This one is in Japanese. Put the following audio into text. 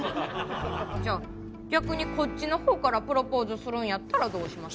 じゃあ逆にこっちのほうからプロポーズするんやったらどうします？